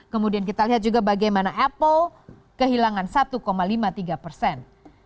kemudian kita lihat juga bagaimana apple kehilangan satu lima puluh tiga persen